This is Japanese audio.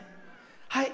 はい。